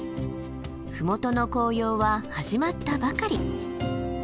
麓の紅葉は始まったばかり。